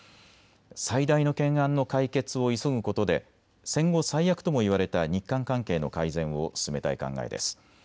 最大の懸案の解決を急ぐことで戦後最悪とも言われた日韓関係の改善を進めたい考えです。